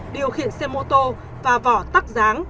điều khiển xe mô tô và vỏ tắc dáng